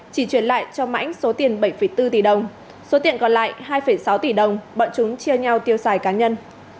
chỉ truyền lại cho mãnh số tiền bảy bốn tỷ đồng số tiền còn lại hai sáu tỷ đồng bọn chúng chia nhau tiêu xài cá nhân